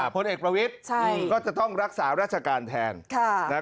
พลเอกประวิทย์ก็จะต้องรักษาราชการแทน